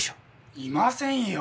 いませんよ。